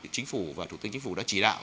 chính phủ và thủ tướng chính phủ đã chỉ đạo